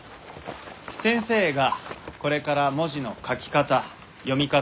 先生がこれから文字の書き方読み方を教えます。